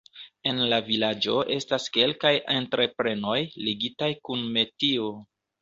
En la vilaĝo estas kelkaj entreprenoj ligitaj kun metio.